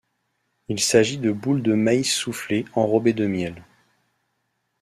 Il s'agit de boules de maïs soufflées enrobées de miel.